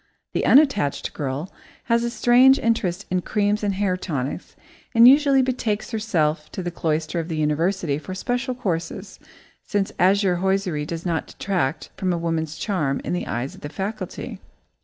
The unattached girl has a strange interest in creams and hair tonics, and usually betakes herself to the cloister of the university for special courses, since azure hosiery does not detract from woman's charm in the eyes of the faculty.